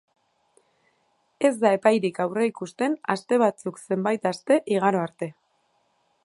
Ez da epairik aurreikusten aste batzuk zenbait aste igaro arte.